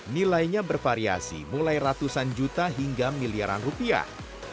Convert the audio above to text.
nilainya bervariasi mulai ratusan juta hingga miliaran rupiah